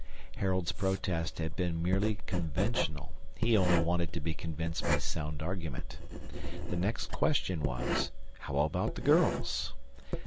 Harold's protest had been merely conventional: he only wanted to be convinced by sound argument. The next question was, How about the girls?